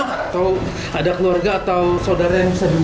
atau ada keluarga atau saudara yang sedih